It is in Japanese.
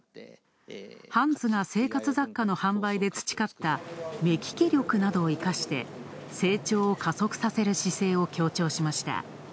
ハンズが生活雑貨の販売で培った目利き力などを生かして、成長を加速させる姿勢を強調しました。